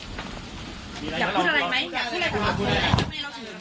อยากพูดอะไรไหมอยากพูดอะไรก็พูดไหมไม่ต้องให้เราถือกันค่ะ